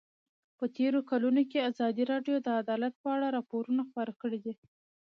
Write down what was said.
په تېرو کلونو کې ازادي راډیو د عدالت په اړه راپورونه خپاره کړي دي.